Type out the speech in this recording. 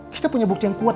kita punya bukti yang kuat